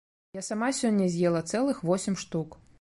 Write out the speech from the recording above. Я сама сёння з'ела цэлых восем штук!